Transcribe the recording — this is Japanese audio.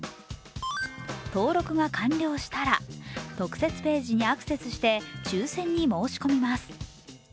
登録が完了したら特設ページにアクセスして抽選に申し込みます。